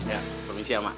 ya permisi ya mbak